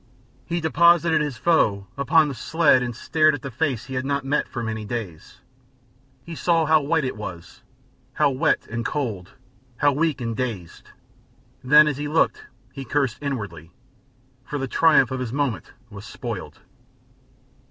He deposited his foe upon the sled and stared at the face he had not met for many days. He saw how white it was, how wet and cold, how weak and dazed, then as he looked he cursed inwardly, for the triumph of his moment was spoiled.